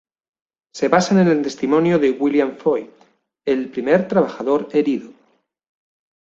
Se basan en el testimonio de William Foy, el primer trabajador herido.